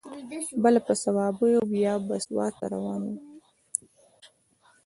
بله په صوابۍ او بیا سوات ته روان و.